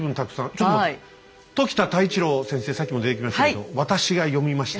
ちょっと待って時田太一郎先生さっきも出てきましたけど「私が読みました」。